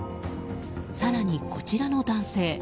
更にこちらの男性。